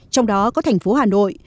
trong đó có thành phố hà nội